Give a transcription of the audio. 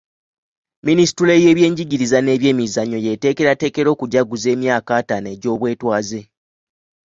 Minisitule y'ebyenjigiriza n'ebyemizannyo yeteekeratekera okujjaguza emyaka ataano egy'obwetwaaze